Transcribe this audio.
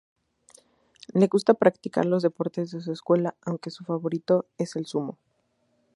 Le gusta practicar los deportes de su escuela, aunque su favorito es el sumo.